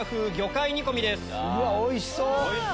うわっおいしそう！